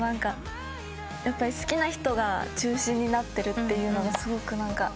好きな人が中心になってるというのがすごく何か。